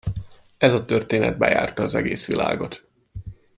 Ez a történet bejárta az egész világot.